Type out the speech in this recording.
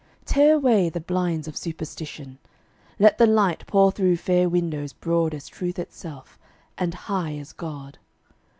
Tear away The blinds of superstition; let the light Pour through fair windows broad as Truth itself And high as God.